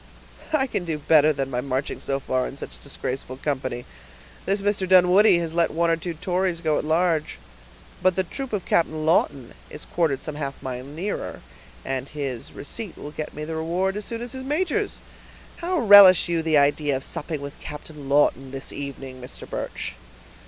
"I can do better than by marching so far in such disgraceful company; this Mr. Dunwoodie has let one or two Tories go at large; but the troop of Captain Lawton is quartered some half mile nearer, and his receipt will get me the reward as soon as his major's. How relish you the idea of supping with Captain Lawton, this evening, Mr. Birch?"